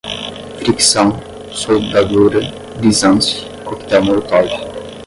fricção, soldadura, brisance, coquetel molotov